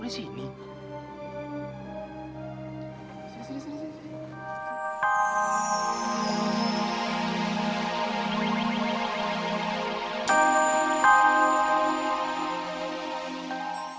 kamu nyari bapak aku sat